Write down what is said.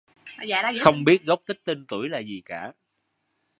Không biết gốc tích tên tuổi là gì cả